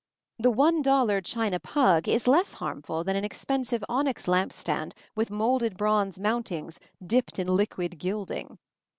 The one dollar china pug is less harmful than an expensive onyx lamp stand with moulded bronze mountings dipped in liquid gilding.